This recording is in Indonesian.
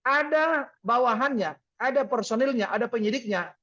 ada bawahannya ada personilnya ada penyidiknya